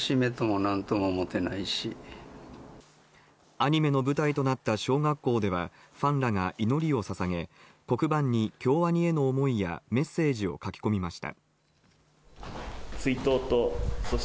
アニメの舞台となった小学校ではファンらが祈りを捧げ黒板に、京アニへの思いやメッセージを書き込みました。